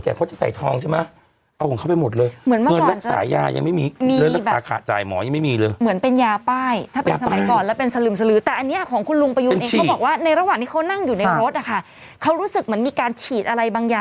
คือเช้าเช้าคนเขาคนแก่ที่เขาเอาเงินสดอ่ะโพ